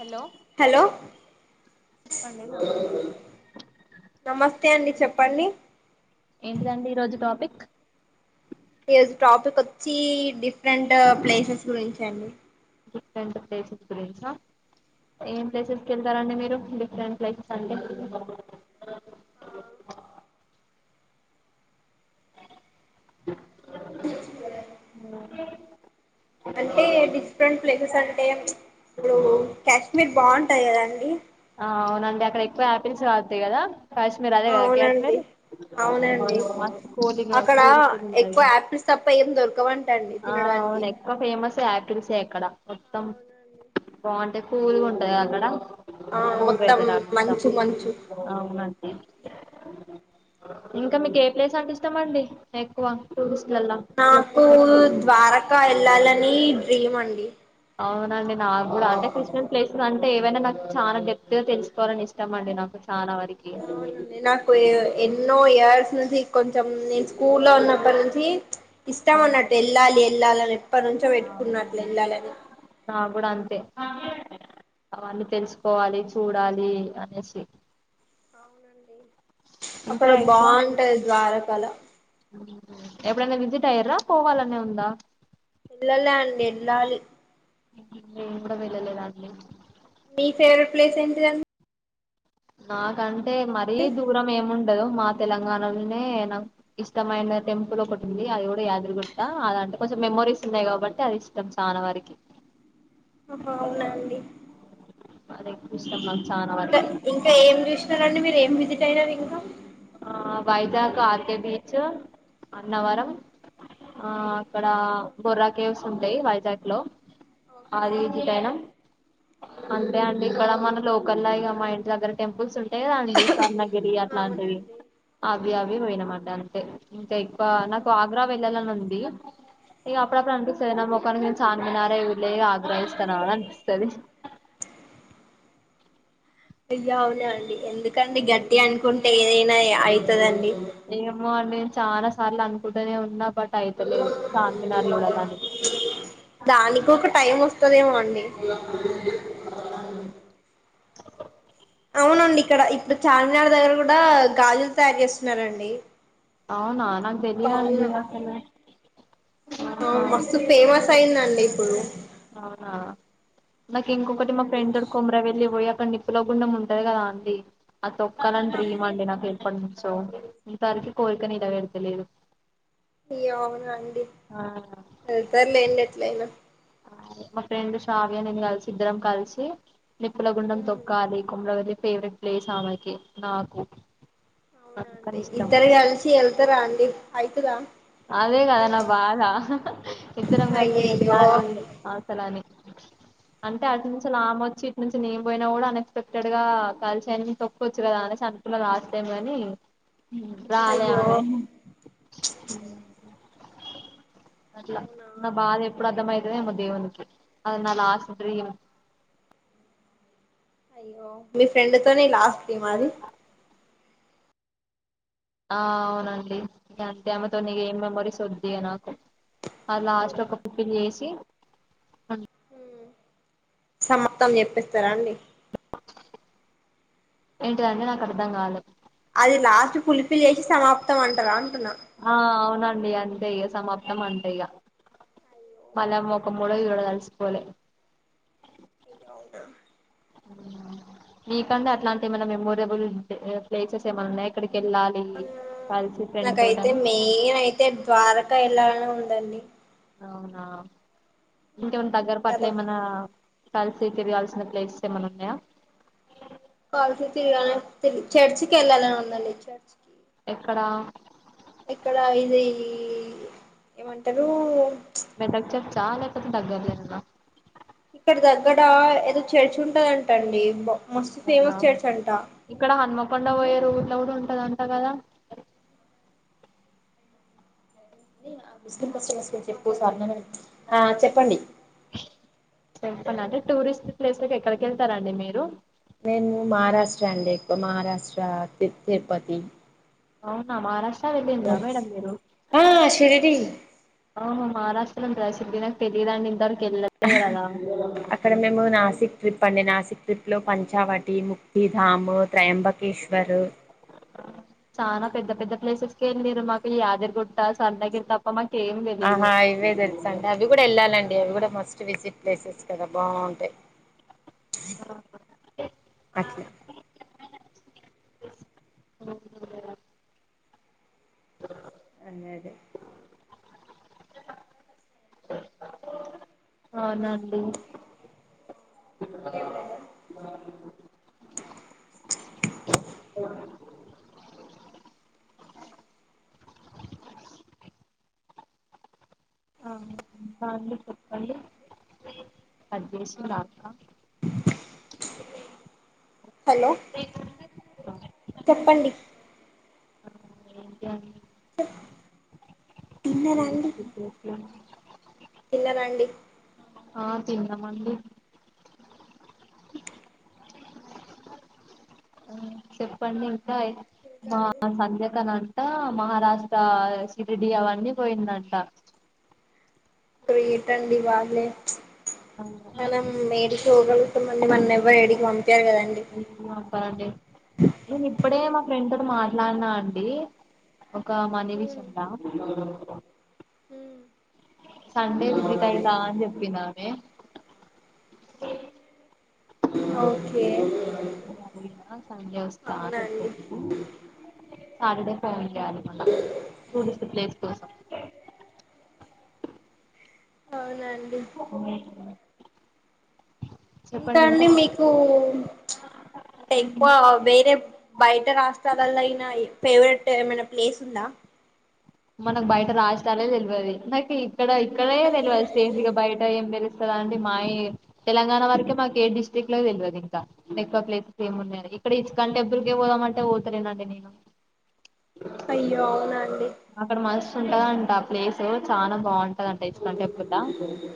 Hello hello చెప్పండి నమస్తే అండి చెప్ప చెప్పండి ఏంటిదండి ఈ రోజు టాపిక్ ఈరోజు టాపిక్ వచ్చి డిఫ్ డిఫరెంట్ ప్లేసెస్ గురించి రండి డిఫరెంట్ ప్లేసెస్ గురించా ఏం అవునండి ప్లేసెస్కి వెళ్తారండి మీరు డిఫరెంట్ ప్లేసెస్ అంటే [inaudible] [inaudible] అంటే డిఫరెంట్ ప్లేసెస్ అంటే ఇప్పుడు కాశ్మీర్ బాగుంటాయి కదాండి ఆ అవునండి అక్కడ ఎక్కువ ఆపిల్స్ కాస్తయి కదా కాశ్మీర్ అదే కద అవునండి కాశ్మీర్ అవునండి అక్కడ ఉంటది ఎక్కువ యాపిల్స్ తప్ప ఏం దొరకవండి ఆ అవును ఎక్కువ ఫేమస్ ఆపిల్స్ ఆపిల్స్ ఏ అక్కడ మొత్తం అవునండి బాగుంటది కూల్ గా ఉంటది అక్కడ ఆ కూల్ మొత్తం వెదర్ అంతా మంచు మంచు అవునండి అ ఇంకా మీకు ఏ ప్లేస్ అంటే ఇష్టమండి ఎక్కువ టూరిస్ట్లలా టూరిస్ట్ నాకు ప్లేస్లలా ద్వారక ఇంకా వెళ్ళాలని డ్రీమ్ అండి అవునండి నాకు కూడా అంటే కృష్ణుడి ప్లేసెస్ అంటే ఏవైనా నాకు చాలా డెప్త్ గా తెలుసుకోవాలని ఇష్టమండి నాకు చానా వారికి అవునండి నాకు ఎన్నో ఇయర్స్ నుంచి కొంచెం నేను స్కూల్లో ఉన్నప్పటి నుంచి ఇష్టం అన్నట్టు వెళ్ళాలి వెళ్ళాలని ఎప్పటి నుంచో పెట్టుకున్నట్లు వెళ్ళాలని నాకు కూడా అంతే అవన్నీ తెలుసుకోవాలి చూడాలి అనేసి అవునండి అక్కడ ఇంకా ఎక్కువ బాగుంటాది ద్వారక పల ఎప్పుడైనా విజిట్ అయ్యారా పోవాలనే ఉందా ఎల్లలే అండి ఎల్లాలి ఈవిడ వెళ్లలేదా అండి మీ ఫెవరెట్ ప్లేస్ ఏంటిది అండి నాకంటే మరీ దూరం ఏముండదు మా తెలంగాణలోనే నా ఇష్టమైన టెంపుల్ ఒకటి ఉంది అది కూడా యాద్రిగుట్ట అదంటే కొంచెం మెమోరీస్ ఉన్నాయి కాబట్టి అది ఇష్టం చన వారికి ఆహా అవునండి వారకి ఇష్టం నాకు ఇంకా చానావరకి ఇంకా ఏం చూసినారండి మీరు ఏం విజిట్ చేసినారు ఇంకా ఆ వైజాగ్ ఆర్కే బీచ్ అన్నవరం ఆ అక్కడ బొర్రా కేవ్స్ ఉంటాయి వైజాగ్ లో ఓకే అది విజిట్ అయినం అంతే అండి ఇక్కడ మన లోకల్ మా ఇంటి దగ్గర టెంపుల్స్ ఉంటాయిండి గిరి అట్లాంటివి అవునండి అవి అవి అవునండి పోయినామట అంతే ఇంకా ఇక్కు నాకు ఆగ్రా వెళ్ళాలని ఉంది ఇంక అప్పుడప్పుడు అవునా అనిపిస్తుంది ఒకకా నే చార్మినారా లే ఆగ్రా చూస్తానా అనిపి అనిపిస్తది అయ అవునా అండి ఎందుకండి గట్టిగ అనుకుంట అంటే ఏదైనా అయితదండి ఏమో అండి నేను చాలా సార్లు అనుకుంటూనే ఉన్నా బట్ అయితలేదు చార్మినార్ చూడాలని దానికి ఒక టైం వస్తుదేమో అండి అవునండి ఇక్కడ ఇప్పుడు చార్మినార్ దగ్గర కూడా గాజులు తయారు చేస్తున్నారండి అవునా నాకు తెలియదండి అవును అసలు ఆహా అవును మస్తు ఫేమస్ అయిందండి ఇప్పుడు అవునా నాకి ఇంకొకటి మా అవునండి ఫ్రెండ్ తోటి కోమరా వెళ్లిపోయా అక్కడ నిప్పులో గుండం ఉంటది కదా అండి ఆ తొక్కలో [unintelligible] నాకు పంపించావా అండి ఉంటా అండి కోరికనే గదడుగుత లేదు అవునా అండి వెళ్తారు లేండి ఎట్లయినా మా ఫ్రెండ్ షావయా నేను కలిసి ఇద్దరం కలిసి నిప్పుల గుండం తొక్కాలి కుమ్మ్రగది ఫేవరెట్ ప్లేస్ ఆమెకి నాకు అవునా అండి కష్టమే ఇద్దరు కలిసి వెళ్తారా అండి అయితదా అది అదే కదా నా బాధ ఇద్దరం కలిసి అయ్యయ్యో వెళ్ళాలి ని అంటే అటు నుంచి నాకొచ్చి ఇటు నుంచి నేన్ పోయినా కూడా అన్ఎక్స్పెక్టెడ్ గా కలిసి అయనంచి తొక్క్కచ్చు కదా అనేసి అంటున్నా లాస్ట్ టైమ్ ని రాలే అయ్యో ఆమె అట్లా అవునా నా బాధ ఎప్పుడు అర్థం అయితు పదంప దేవునికి అనాద ఆశత్రయం అయ్యో మీ ఫ్రెండ్ తోనే లాస్ట్ ఈ మరి ఆ అవునండి అంతే ఆమెతోటి ఏం మెమరీస్ ఉంటాయి నాకు అ లాస్ట్ లో ఒక ఫుఫిల్ చేసి సమత్తం చెప్పిస్తారా అండి ఏంటిదండి నాకు అర్థం కాలే అది లాస్ట్ పులిపి లే వేసి సమాప్తం అంటారా అంటున్నా ఆ అవునండి అంతే ఇక సమాప్తం అంతే ఇక మళ్ళా ముఖం కూడా చూడదల్సుకోలే డౌటా మీకంటే అట్లాంటి ఏమన్న మెమోరబుల్ ప్లేసెస్ ఏమన్న ఉన్నాయా ఇక్కడి నాకైతే తోటని మెయిన్ అయితే ద్వారకా ఎల్లాలనే ఉ దండి అవునా ఇంకేమన్న దగ్గర పట్ల అదొ ఏమన్నా కలిసి తిరగాల్సిన ప్లేసెస్ ఏమన్నా ఉన్నాయా చర్చ్కి వెళ్ళాలని ఉందండి చర్చ్ కి ఎక్కడా ఇక్కడ ఇది ఈ ఏమంటారు చాలా [unintelligible] ఇక్కడ దగ్గడా ఏదో చర్చ్ ఉం టదంట అండి మ ముస్లిం అవునా చర్చ్ అంట ఇక్కడ హన్మకొండ [unintelligible] ఉంటదంట కదా ముస్లిం ముస్లిం ఎక్కువ [unintelligible] ఆ చెప్పండి [unintelligible] టూరిస్ట్ ప్లేసెస్ కి ఎక్కడికి వెళ్తారండి మీరు నేను మహారాష్ట్ర అండి ఎక్కువ. మహారాష్ట్ర తిరుపతి అవునా మహారాష్ట్ర వెళ్ళిండ్రా మేడం మీరు ఆ శిరిడీ ఆహ మహారాష్ట్రలో [unintelligible] నాకు తెలీదండి గెళ్ళలే కదా అక్కడ మేము నాసిక్ ట్రిప్ అండి నాసిక్ ట్రిప్ లో పంచావటి ముక్తి ధాము త్రయంబకేశ్వర్ చానా పెద్ద పెద్ద ప్లేసెస్ కె ఎల్లేరు. మాకు ఈ యాదిరిగుట్ట స్వామి దగ్గరికి తప్ప మాకు ఏం తెలీదు ఆహా ఇవే తెలుసండి అట్ల [inaudible] అదే అదే ఆ అదండీ ఆ బాండి చెప్పండి అద్దేశం రాక్క హలో చెప్పండి [inaudible] తిన్నార అండి ఇప్పుడొత్తన్న తిన్నారా అండి ఆ తిన్నామండి చెప్పండి ఇంకా ఇంకా మా అండి సంధ్యగా నా ఆ మహారాష్ట్ర శిరిడి అవన్నీ పోయిందంట గ్రేటండి వాళ్ళే మనం ఏడికి పోగలుగుతామండి మనల్ని ఎవ్వరు ఏడికి పంపారు కదండి నేను ఇప్పుడే మా వింటూ మాట్లాడినా అండి ఒక మనీ విషయం లో సండే [unintelligible] అయిందా అని చెప్పినామే అ ఓకే ఆ సండే వస్త అవునా అండి సాటర్డే ఫోన్ చేయాలి. మళ్ళ టూరిస్ట్ ప్లేస్ కోసం అవునా అండి మ్మ్ హ్మ్ ఇంకా అండి మీకు అంటే ఎక్కువ వేరే బయట రాష్ట్రాలలో అయినా ఫేవరెట్ ఏమైనా ప్లేస్ ఉందా మనకు బయట రాజధానే తెల్వదు ఇక ఇక్కడ ఇక్కడే తెలవదు సే ఇగ బయట ఏం తె స్తా అండి మా తెలంగాణ వరకే మాకు ఏ డిస్టిరిక్ట్ లో తెల్వదు ఇంకా ఎక్కువ ప్లేసెస్ ఏమిన్నయో ఇక్కడ ఇస్కాన్ టెంపుల్ కి పోదామంటే పోతలేనండి నేను అయ్యో అవునాండి అక్కడ మస్తు ఉంటద అంట ఆ ప్లేసు చాలా బాగుం ంటదంట ఇస్కాన్ టెంపుల్లా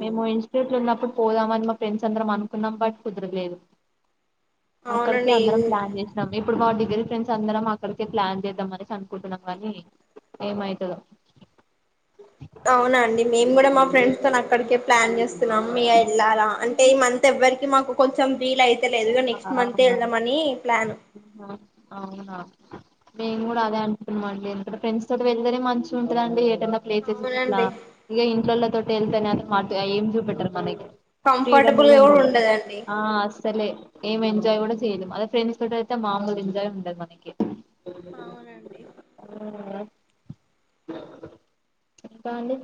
మేము ఇన్స్ట్యూట్ లో ఉన్నప్పుడు పోదామని మా ఫ్రెండ్స్ అందరం అనుకున్నాం బట్ కుదరలేదు. అక్కడికే అవునండి అందరం ప్లాన్ చేసినమ్ ఇప్పుడు మా డిగ్రీ ఫ్రెండ్స్ అందరం అక్కడికే ప్లాన్ చేద్దామ అనేసి అనుకుంటున్నాం కానీ ఏమయితదో అవునా అండి మేము కూడా మా ఫ్రెండ్స్ తో అక్కడికే ప్లాన్ చేస్తున్నాం ఇగ వెళ్ళాలా అంటే ఈ మంత్ ఎవ్వరికి మాకు కొంచెం వీల్ అయితేలేదు నెక్స్ట్ మంత్ అవునా వెళ్దామని ప్లాన్ అవునా మేమ్ గూడా అదే అనుకున్నం ఫ్రెండ్స్ తోటి వెళ్తేనే మంచిగ ఉంటదండి ప్లేసెస్ గిట్ల అవునండి ఇగ ఇంట్లోల్ల తో వెళ్తానని మాకేం చూపెట్టరు కని కంఫర్టబుల్ గా కూడా ఉండదండి. లే ఏం ఎంజాయ్ కూడా చేయలేం అదే ఫ్రెండ్స్ తో అయితే మాములు ఎంజాయ్ ఉండదు మనకి అవునండి హ కాాల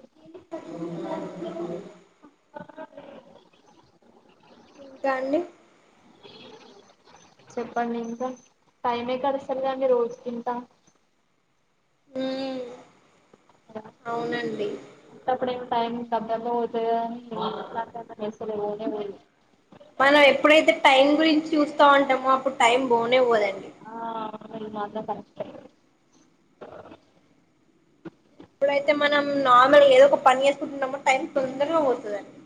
ఇంకా అండి చెప్పండి ఇంకా టైమే గడుస్తలేదండి రోజు కింత హ అవునండి అప్పుడేమో టైం టక్ టక పోతదిగని ఇట్లాంటి టైం ల అస్సలు పోనే పోదు మనం ఎప్పుడైతే టైం గురించి చూస్తా ఉంటామో అప్పుడు టైం బోనే పోదండి ఆ ఇది మాత్రం కరెక్టే ఎప్పుడైతే మనం నార్మల్ ఏదో ఒక పని చేేసుకుంటున్నామో టైం తొందరగా పోతదండి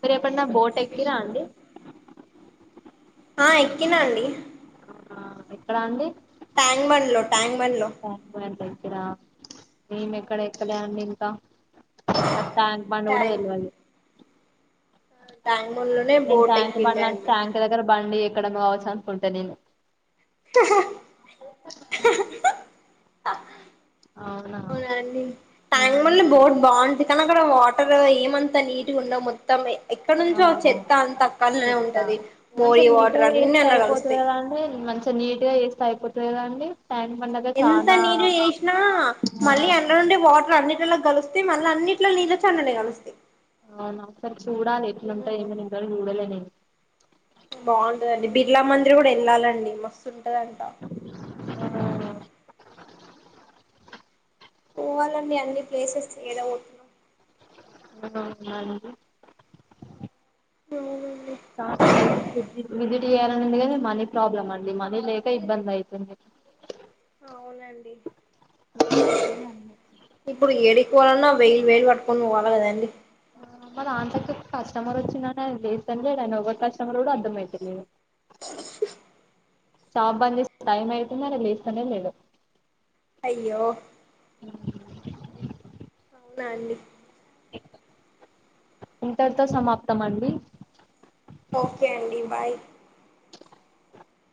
మీర ఎప్పుడన్నా బోట్ ఎక్కిరా అండి ఆ ఎక్కినా అండి ఎక్కడ అండి ట్యాంగ్మన్ లో ట్యాంగ్మన్ లో ట్యాంక్ బండ్ ఎక్కిరా మేము ఎక్కడ ఎక్కలే అండి ఇంకా మాక్ ట్యాంక్ బండి కూడా తెల్వదు. టా నేను ట్యాంక్ బండి అ ట్యాంక్ దగ్గర బండి అక్కడ బావచ్చ అనుకుంట నేను హి అవునా అవునండి ట్యాంక్ బండ్లో బోర్డు బాగుంది కానీ అక్కడ వాట వాటరు ఏమంతా నీటు ఉండో మొత్తంమే ఎక్కడ నుంచో అవునా? చెత్త అంత అక్కనే చెప్తా ఉంటది మంచిగా మోరి నీట్గా వాటర్ అన్ని చేస్తే అయిపోతది అల్లగలుస్తాయి కదా అండి మంచిగా నీట్గా చేస్తే అయిపోతది కదా అండి ట్యాంక్ బండ్ దగ్గర ఎంత చానా నీటిగా చేసినా ఆ మళ్ళీ అల్లనుండే వాట అన్నిటిలో గలుస్ అవునా ఒకసారి చూడాలి ఎట్లుంటై ఏమేం ఉంటాయి ఇంతవరకు చూడలే నేను బాగుంటదండి బిర్లా మందిర కూడా వెళ్ళాలండి మస్తు ఉంటదంట పోవాలన్నీ అన్ని ప్లేసెస్ ఏడా పోతనొ అ అవునా అండి హ్మ్ చానా ప్లేసెస్ విజిట్ విజిట్ చేయాల ఉందికని మనీ ప్రాబ్లమ్ అండి మనీ లేక ఇబ్బంది అయితుంది అవును అందుకోసమే అన్ని ఇప్పుడు ఏడికి పోవాల వెలు వేలు పట్టుకోని పోవాల కదండి మా నాన్సీ అక్కకు కస్టమర్ వచ్చిడు అన్నది లేస్తనే లేడు ఆయనే ఎవరు కస్టమర్ కూడా అర్థమైత లేడు షాప్ బంద్ చేసి టైం అయితాంది ఆయన లెత్తనే లేడు అయ్యో అవునా అండి ఇంతటితో సమాప్తం అండి ఒకే అండి బాయ్